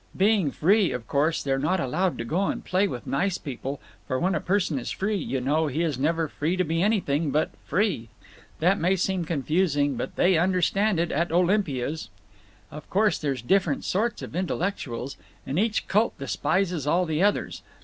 Being Free, of course, they're not allowed to go and play with nice people, for when a person is Free, you know, he is never free to be anything but Free. That may seem confusing, but they understand it at Olympia's. "Of course there's different sorts of intellectuals, and each cult despises all the others.